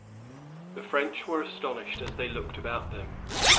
The French were astonished as they looked about them.